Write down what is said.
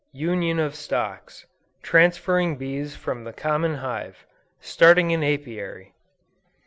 UNION OF STOCKS. TRANSFERRING BEES FROM THE COMMON HIVE. STARTING AN APIARY.